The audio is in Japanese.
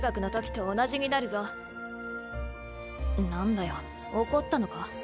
何だよ怒ったのか？